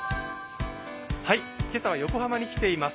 今朝は横浜に来ています。